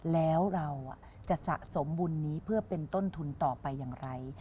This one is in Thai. แล้วเราจะสะสมบุญนี้เพื่อเป็นต้นทุนต่อไปอย่างไร